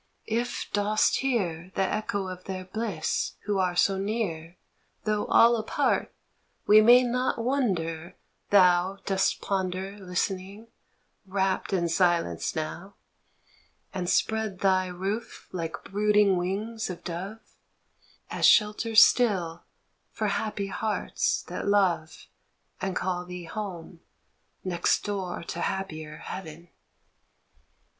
If dost hear The echo of their bliss who are so near Though all apart we may not wonder thou Dost ponder listening, rapt in silence now, 42 A HOME And spread thy roof like brooding wings of dove As shelter still for happy hearts that love And call thee home, next door to happier heaven.